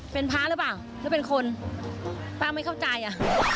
เป็นพระหรือเปล่าหรือเป็นคนป้าไม่เข้าใจอ่ะ